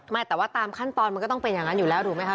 ไม่แต่ว่าตามขั้นตอนมันก็ต้องเป็นอย่างนั้นอยู่แล้วถูกไหมครับ